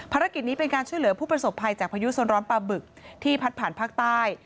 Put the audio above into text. ภารกิจนี้เป็นการช่วยเหลือผู้ประสบภัยจากพายุสนร้อนปลาบึกที่พัดผ่านภาคใต้